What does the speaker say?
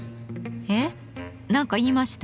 えっ何か言いました？